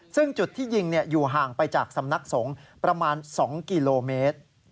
ซึ่งจุดที่ยิงอยู่ห่างไปจากสำนักสงฆ์ประมาณ๒กิโลเมตร